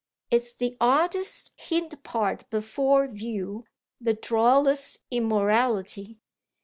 It's the oddest hind part before view, the drollest immorality."